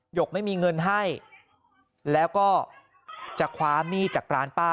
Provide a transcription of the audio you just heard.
หกไม่มีเงินให้แล้วก็จะคว้ามีดจากร้านป้า